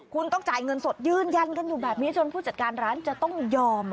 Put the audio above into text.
คุณต้องจ่ายเงินสดยืนยันกันอยู่แบบนี้จนผู้จัดการร้านจะต้องยอม